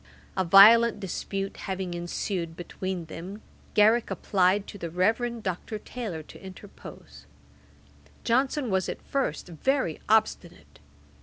A violent dispute having ensued between them, Garrick applied to the Reverend Dr. Taylor to interpose. Johnson was at first very obstinate.